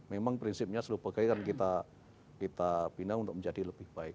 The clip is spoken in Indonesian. memang prinsipnya seluruh pegawai kan kita bina untuk menjadi lebih baik